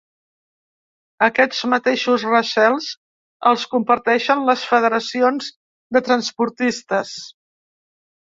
Aquests mateixos recels els comparteixen les federacions de transportistes.